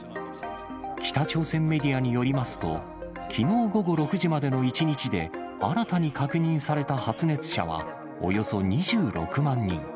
北朝鮮メディアによりますと、きのう午後６時までの１日で、新たに確認された発熱者はおよそ２６万人。